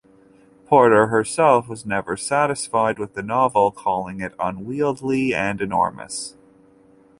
Porter herself was never satisfied with the novel, calling it "unwieldy" and "enormous".